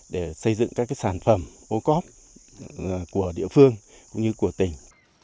để xây dựng các sản phẩm ô cóp của địa phương cũng như của tỉnh